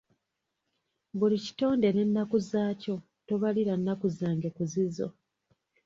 Buli kitonde n’ennaku zaakyo, tobalira nnaku zange ku zizo.